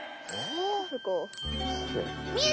え？